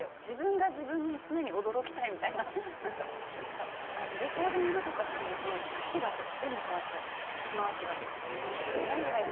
自分が自分に常に驚きたいみたいなレコーディングとかしてると節が全部変わっちゃう節回しがえ何回